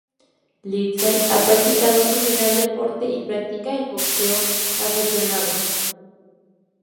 Lindsay ha dedicado su vida al deporte y practica el boxeo aficionado.